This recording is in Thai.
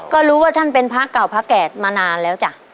ก็รู้ว่าท่านเป็นพระเก่าพระแก่มานานแล้วจ้ะ